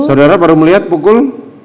saudara baru melihat pukul